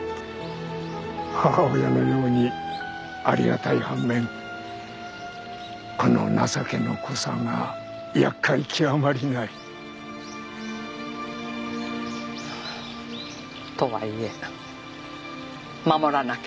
母親のようにありがたい反面この情けの濃さが厄介極まりない。とはいえ守らなければなりません。